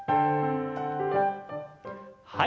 はい。